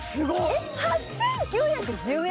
えっ８９１０円？